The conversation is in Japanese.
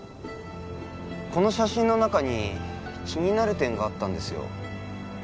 この写真の中に気になる点があったんですよ